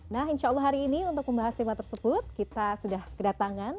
nah insya allah hari ini untuk membahas tema tersebut kita sudah kedatangan